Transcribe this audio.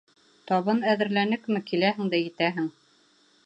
Табын әҙерләнекме, киләһең дә етәһең!